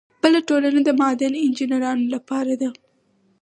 بله ټولنه د معدن انجینرانو لپاره ده.